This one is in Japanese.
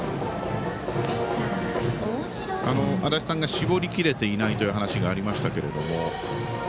足達さんが絞りきれていないという話がありましたけれども。